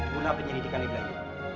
guna penyelidikan di belah ini